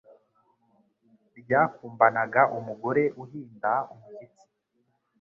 ryakumbanaga umugore uhinda umushyitsi,